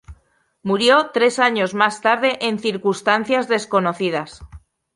Murió tres años más tarde en circunstancias desconocidas.